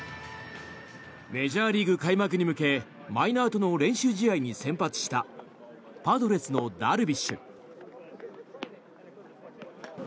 メジャーリーグ開幕に向けマイナーとの練習試合に先発したパドレスのダルビッシュ。